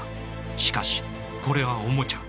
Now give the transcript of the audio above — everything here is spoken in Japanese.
しかしこれはおもちゃ。